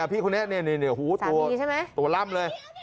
พี่คนนี้นี่หูตัวล่ำเลย